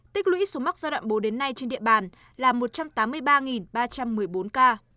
tích lũy số mắc giai đoạn bốn đến nay trên địa bàn là một trăm tám mươi ba ba trăm một mươi bốn ca